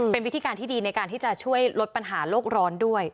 เป็นวิธีการที่ดีในการที่จะช่วยลดปัญหาโลกร้อนด้วย